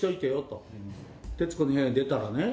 『徹子の部屋』に出たらね